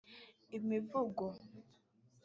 imivugo